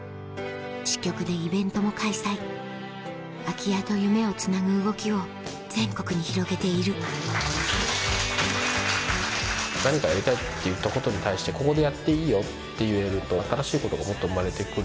支局でイベントも開催空き家と夢をつなぐ動きを全国に広げている何かやりたいって言ったことに対して。って言えると新しいことがもっと生まれてくる。